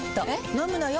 飲むのよ。